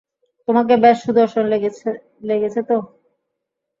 তোমাকে বেশ সুদর্শন লেগেছে দেখতে!